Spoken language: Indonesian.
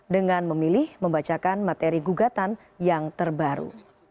dengan memilih membacakan materi gugatan yang terbaru